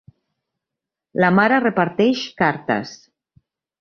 La mare reparteix cartes.